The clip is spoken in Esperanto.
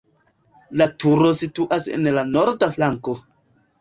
La turo situas en la norda flanko.